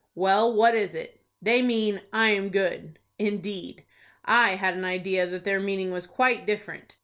"Well, what is it?" "They mean, 'I am good.'" "Indeed,—I had an idea that their meaning was quite different.